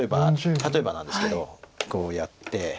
例えばなんですけどこうやって。